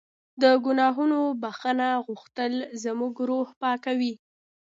د ګناهونو بښنه غوښتل زموږ روح پاکوي.